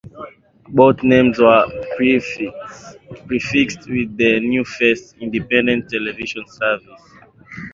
Both names were prefixed with the new phrase "Independent Television Service".